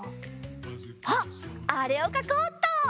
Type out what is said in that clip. あっあれをかこうっと！